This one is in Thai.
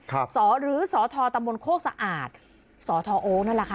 ครับสอหรือสอทอตะมนต์โคกสะอาดสอทอโอ๊คนั่นแหละค่ะ